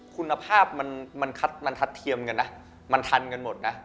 คุณภาพมันทัดเทียมกันนะมันทันกันหมดนะ